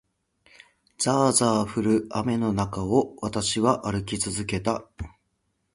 ざあざあ降る雨の中を、私は歩き続けた。